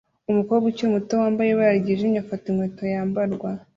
Umukobwa ukiri muto wambaye ibara ryijimye afata inkweto yambarwa